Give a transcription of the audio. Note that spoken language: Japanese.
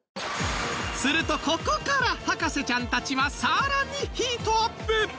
するとここから博士ちゃんたちはさらにヒートアップ！